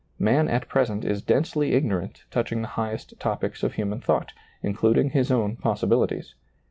Man at present is densely ignorant touching the highest topics of human thought, including his own possibilities.